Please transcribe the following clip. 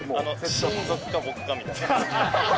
親族と僕だけみたいな。